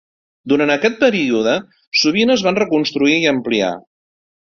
Durant aquest període, sovint es van reconstruir i ampliar.